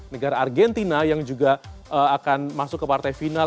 negara argentina yang juga akan masuk ke partai final